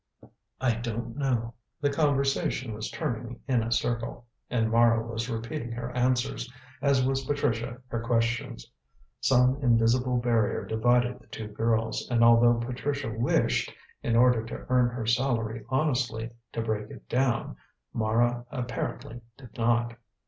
"I don't know." The conversation was turning in a circle, and Mara was repeating her answers, as was Patricia her questions. Some invisible barrier divided the two girls, and although Patricia wished, in order to earn her salary honestly, to break it down, Mara apparently did not.